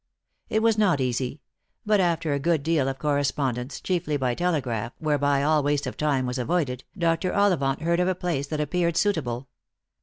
It was not easy; but after a good deal of correspondence, chiefly by telegraph, whereby all waste of time was avoided, Dr. Ollivant heard of a place that appeared suitable.